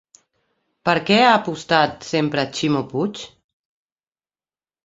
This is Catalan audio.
Per què ha apostat sempre Ximo Puig?